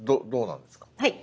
はい。